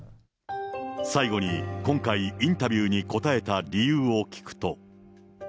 最後に今回、インタビューに応えた理由を聞くと。